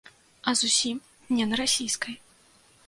А зусім не на расійскай.